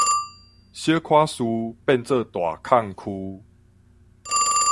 小可事變做大曠臼